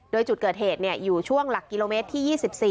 โดยจุดเกิดเหตุอยู่ช่วงหลักกิโลเมตรที่๒๔